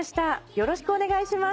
よろしくお願いします。